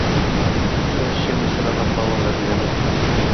د شمعې سره لمبه ولړزېده.